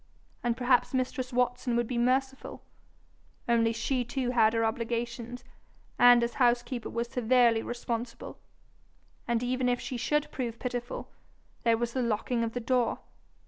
And perhaps mistress Watson would be merciful only she too had her obligations, and as housekeeper was severely responsible. And even if she should prove pitiful, there was the locking of the door!